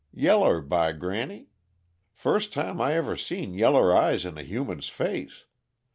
Yeller, by granny! first time I ever seen yeller eyes in a human's face.